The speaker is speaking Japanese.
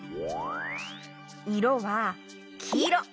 いろはきいろ。